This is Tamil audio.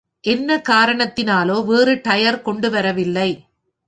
என்ன காரணத்தினாலோ, வேறு டயர் கொண்டுவரவில்லை!